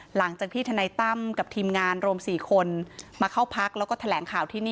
ทนายตั้มกับทีมงานรวม๔คนมาเข้าพักแล้วก็แถลงข่าวที่นี่